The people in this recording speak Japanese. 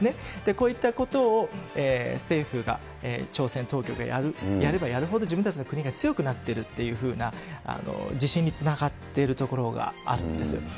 こういったことを政府が、朝鮮当局がやればやるほど、自分たちの国が強くなってるというふうな自信につながっているところがあるんです。